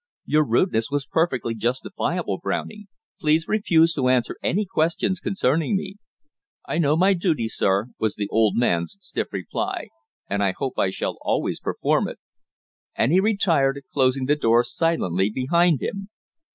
"Your rudeness was perfectly justifiable, Browning. Please refuse to answer any questions concerning me." "I know my duty, sir," was the old man's stiff reply, "and I hope I shall always perform it." And he retired, closing the door silently behind him.